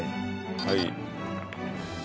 はい。